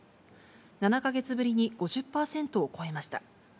７か月ぶりに５０％を超えました。